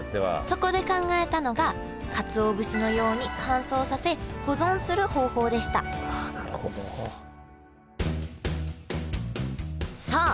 そこで考えたのがかつお節のように乾燥させ保存する方法でしたさあ